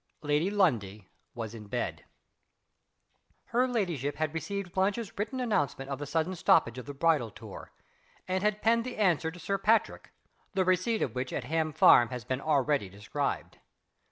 Lady Lundie was in bed. Her ladyship had received Blanche's written announcement of the sudden stoppage of the bridal tour; and had penned the answer to Sir Patrick the receipt of which at Ham Farm has been already described.